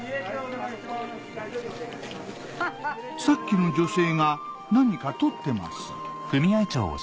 さっきの女性が何か撮ってます